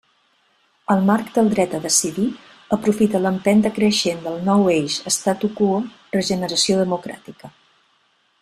El marc del dret a decidir aprofita l'empenta creixent del nou eix statu quo-regeneració democràtica.